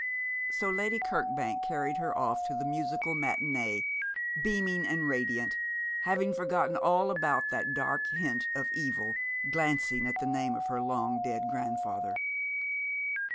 So Lady Kirkbank carried her off to the musical matinée, beaming and radiant, having forgotten all about that dark hint of evil glancing at the name of her long dead grandfather.